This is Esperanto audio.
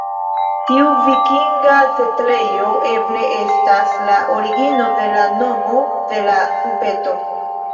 Tiu vikinga setlejo eble estas la origino de la nomo de la ubeto.